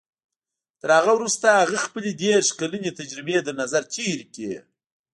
تر هغه وروسته هغه خپلې دېرش کلنې تجربې تر نظر تېرې کړې.